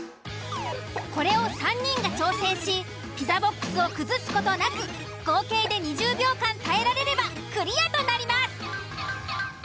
これを３人が挑戦しピザボックスを崩す事なく合計で２０秒間耐えられればクリアとなります。